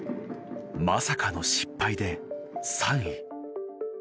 まさかの失敗で３位。